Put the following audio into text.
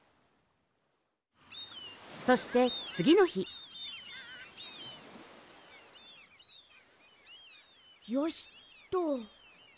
そしてつぎのひよしっと。